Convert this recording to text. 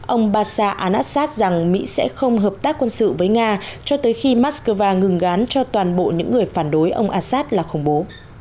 ông bashar alassad rằng mỹ sẽ không hợp tác quân sự với nga cho tới khi moscow ngừng gán cho toàn bộ những người phản đối ông assad là khủng bố